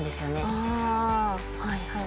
あぁはいはい。